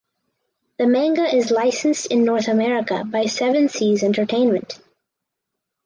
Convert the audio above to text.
The manga is licensed in North America by Seven Seas Entertainment.